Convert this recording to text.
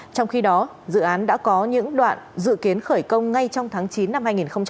trong khi đó dự án đã có những đoạn dự kiến khởi công ngay trong tháng chín năm hai nghìn hai mươi